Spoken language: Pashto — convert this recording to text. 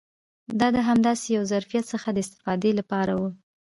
دا د همداسې یو ظرفیت څخه د استفادې لپاره و.